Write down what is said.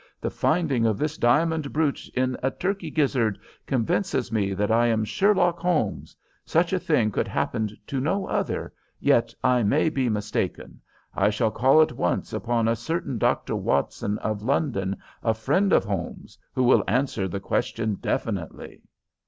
The finding of this diamond brooch in a turkey gizzard convinces me that I am Sherlock Holmes. Such a thing could happen to no other, yet I may be mistaken. I shall call at once upon a certain Dr. Watson, of London, a friend of Holmes's, who will answer the question definitely.'